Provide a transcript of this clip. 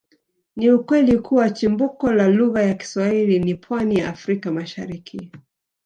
Ni ukweli kuwa chimbuko la lugha ya Kiswahili ni pwani ya Afrika Mashariki